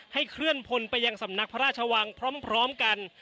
เคลื่อนพลไปยังสำนักพระราชวังพร้อมกัน